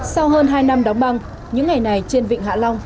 sau hơn hai năm đóng băng những ngày này trên vịnh hạ long